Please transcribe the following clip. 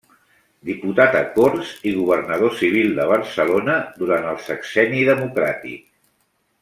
Diputat a Corts i governador civil de Barcelona durant el sexenni democràtic.